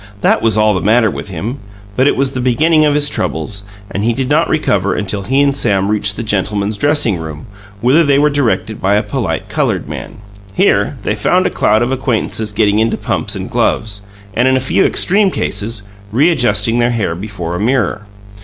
That was "all the matter with him"; but it was the beginning of his troubles, and he did not recover until he and Sam reached the "gentlemen's dressing room", whither they were directed by a polite coloured man. Here they found a cloud of acquaintances getting into pumps and gloves, and, in a few extreme cases, readjusting hair before a mirror.